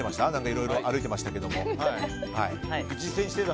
いろいろ歩いていましたけども。